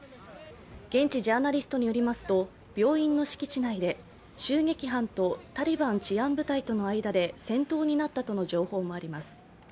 現地ジャーナリストによりますと病院の敷地内で襲撃犯とタリバン治安部隊との間で戦闘になったとの情報もあります。